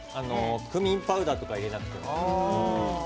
クミンパウダーを入れなくても。